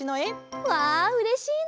わあうれしいなあ！